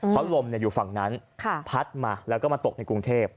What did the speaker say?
เพราะลมอยู่ฝั่งนั้นพัดมาแล้วก็มาตกในกรุงเทพ